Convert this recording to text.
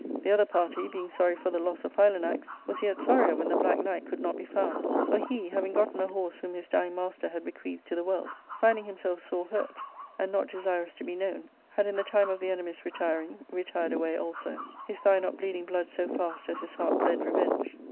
The other party, being sorry for the loss of Philanax, was yet sorrier when the black knight could not be found ; for he, having gotten a horse whom his dying master had bequeathed to the world, finding himself sore hurt, and not desirous to be known, had in the time of the enemy's re tiring retired away also, his thigh not bleeding blood so fast as his heart bled revenge.